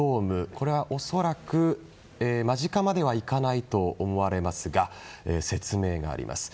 これは恐らく、間近までは行かないと思われますが説明があります。